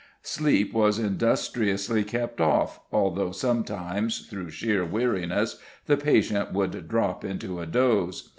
Sleep was industriously kept off, although sometimes, through sheer weariness, the patient would drop into a doze.